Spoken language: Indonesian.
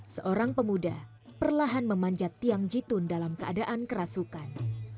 seorang pemuda perlahan memanjat tiang jitun dalam keadaan kerasukan